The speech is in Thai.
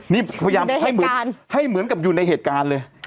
นี่พยายามให้เหมือนกับอยู่ในเหตุการณ์เลย